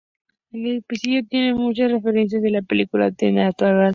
El episodio tiene muchas referencias de la película "The Natural".